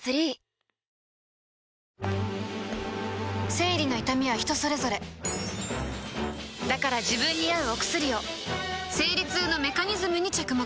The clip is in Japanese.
生理の痛みは人それぞれだから自分に合うお薬を生理痛のメカニズムに着目